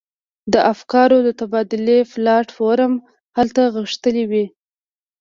د افکارو د تبادلې پلاټ فورم هلته غښتلی وي.